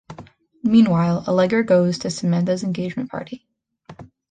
Meanwhile, Allegra goes to Samantha’s engagement party.